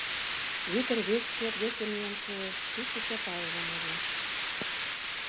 Вӧдыр вес чеп деке миен шуэш, тушто Чапаевым ужеш.